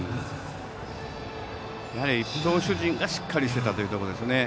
やはり投手陣がしっかりしていたというところですね。